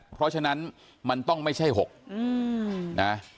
เพราะฉะนั้นมันต้องไม่ใช่๖นะ